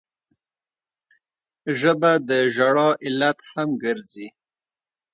ژبه د ژړا علت هم ګرځي